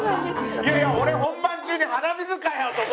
いやいや俺本番中に鼻水かよ！と思ったら。